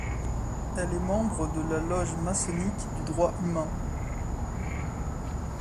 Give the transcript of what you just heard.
Elle est membre de la loge maçonnique du droit humain.